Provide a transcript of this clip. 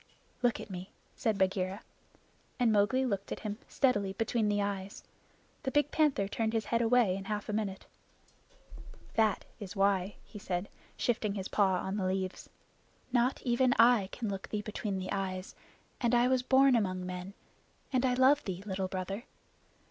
"Look at me," said Bagheera. And Mowgli looked at him steadily between the eyes. The big panther turned his head away in half a minute. "That is why," he said, shifting his paw on the leaves. "Not even I can look thee between the eyes, and I was born among men, and I love thee, Little Brother.